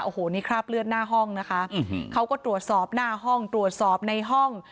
โอ้โหนี่คราบเลือดหน้าห้องนะคะเขาก็ตรวจสอบหน้าห้องตรวจสอบในห้อง